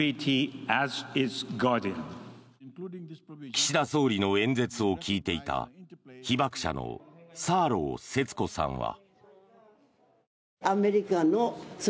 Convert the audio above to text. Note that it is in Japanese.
岸田総理の演説を聞いていた被爆者のサーロー節子さんは。